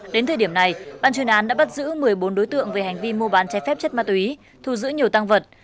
đến thời điểm này ban chuyên án đã bắt giữ một mươi bốn đối tượng về hành vi mua bán trái phép chất ma túy thu giữ nhiều tăng vật